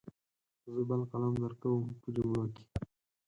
زه بل قلم درکوم په جملو کې.